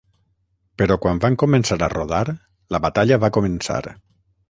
Però quan van començar a rodar, la batalla va començar.